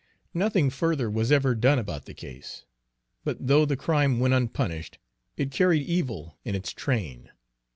Nothing further was ever done about the case; but though the crime went unpunished, it carried evil in its train.